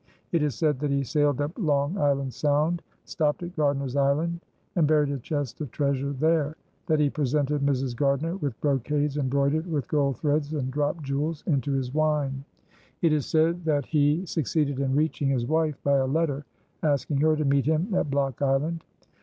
It is said that he sailed up Long Island Sound, stopped at Gardiner's Island, and buried a chest of treasure there, that he presented Mrs. Gardiner with brocades embroidered with gold threads and dropped jewels into his wine. It is said that he succeeded in reaching his wife by a letter, asking her to meet him at Block Island.